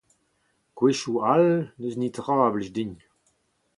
Gwechoù all n'eus netra a blij din.